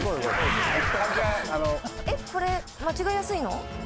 これ間違いやすいの？